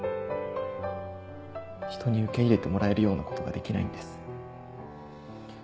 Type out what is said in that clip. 人に受け入れてもらえるようなことができないんです。